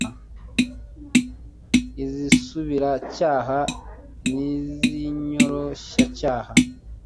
iz isubiracyaha n iz inyoroshyacyaha